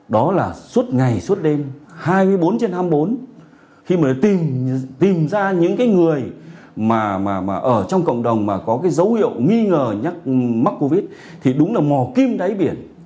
đó là suốt ngày suốt đêm hai mươi bốn trên hai mươi bốn khi mà tìm ra những người ở trong cộng đồng mà có dấu hiệu nghi ngờ mắc covid thì đúng là mò kim đáy biển